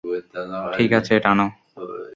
ঠিক আছে, টানো।